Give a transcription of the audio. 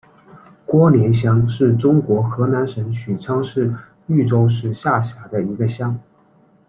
郭连乡是中国河南省许昌市禹州市下辖的一个乡。